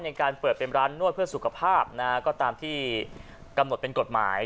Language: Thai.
ในการเปิดเป็นร้านนวดเพื่อสุขภาพนะฮะก็ตามที่กำหนดเป็นกฎหมาย